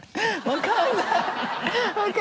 わかんない。